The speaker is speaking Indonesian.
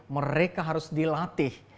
mereka harus dilatih